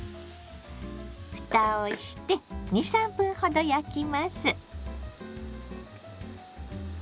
ふたをして２３分ほど焼きます。